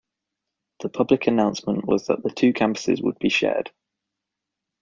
The public announcement was that the two campuses would be shared.